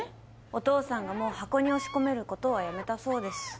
お父さんがもう箱に押し込める事はやめたそうです。